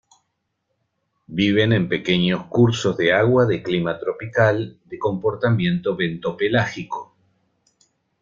Viven en pequeños cursos de agua de clima tropical, de comportamiento bentopelágico.